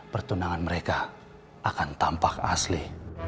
pertunangan mereka akan tampak asli